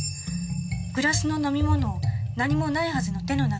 グラスの飲み物を何もないはずの手の中に注ぐの。